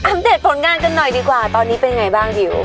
อำเต็ดโฟนงานกันหน่อยดีกว่าตอนนี้เป็นไงบ้างบิว